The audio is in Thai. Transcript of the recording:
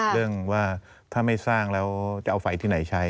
เรื่องว่าถ้าไม่สร้างแล้วจะเอาไฟที่ไหนใช้